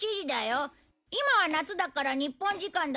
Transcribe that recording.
今は夏だから日本時間だと午前２時。